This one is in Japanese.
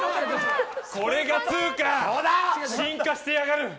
これが２か、進化してやがる。